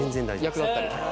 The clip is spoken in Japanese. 役立ったり？